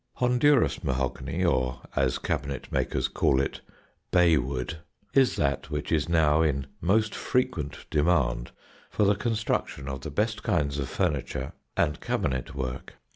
Honduras mahogany, or, as cabinetmakers call it, "Bay Wood," is that which is now in most frequent demand for the construction of the best kinds of furniture and cabinet work.